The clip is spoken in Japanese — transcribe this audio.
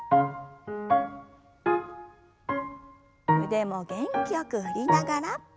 腕も元気よく振りながら。